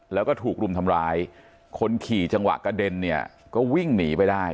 แล้วก็ถูกรุมทำร้ายคนขี่จังหวะกระเด็นเนี่ยก็วิ่งหนีไปได้